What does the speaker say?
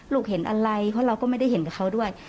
เห็นอะไรเพราะเราก็ไม่ได้เห็นกับเขาด้วย